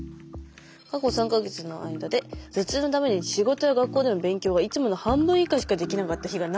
「過去３か月の間で頭痛のために仕事や学校での勉強がいつもの半分以下しかできなかった日が何日ありましたか」。